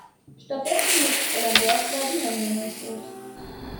Stattdessen legt Fräulein Dörfler die Hände in den Schoß.